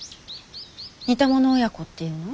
似た者親子っていうの？